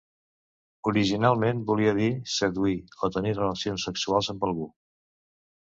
Originalment volia dir "seduir" o "tenir relacions sexuals amb algú".